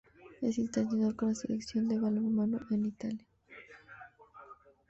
Es internacional con la Selección de balonmano de Italia.